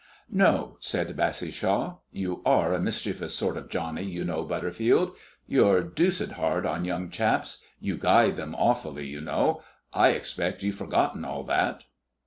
"No," said Bassishaw. "You are a mischievous sort of Johnny, you know, Butterfield. You're deuced hard on young chaps; you guy them awfully, you know. I expect you've forgotten all that."